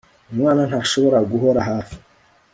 umwana ntashobora guhora hafi